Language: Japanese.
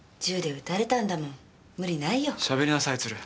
しゃべりなさい鶴。